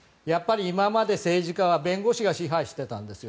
今までは政治家は弁護士が支配してたんですよ。